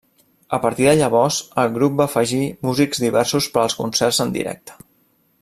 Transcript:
A partir de llavors, el grup va afegir músics diversos per als concerts en directe.